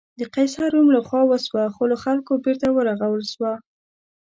د قیصر روم له خوا وسوه خو له خلکو بېرته ورغول شوه.